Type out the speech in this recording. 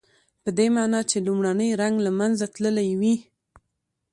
پدې معنی چې لومړنی رنګ له منځه تللی وي.